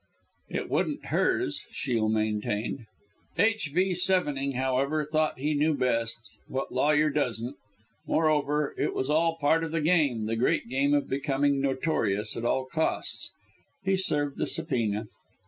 "It wouldn't hers," Shiel maintained. H.V. Sevenning, however, thought he knew best what lawyer doesn't? Moreover, it was all part of the game the great game of becoming notorious at all costs. He served the subpoena.